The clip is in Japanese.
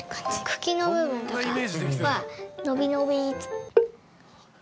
茎の部分とかはのびのびっと。